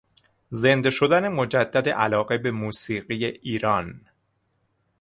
زنده شدن مجدد علاقه به موسیقی ایران